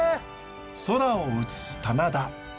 空を映す棚田。